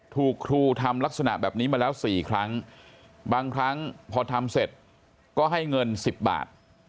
ถูกครูทำลักษณะแบบนี้มาแล้ว๔ครั้งบางครั้งพอทำเสร็จก็ให้เงิน๑๐บาท